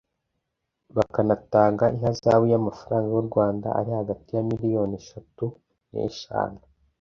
bakanatanga ihazabu y’amafaranga y’u Rwanda ari hagati ya Miliyoni eshatu n’eshanu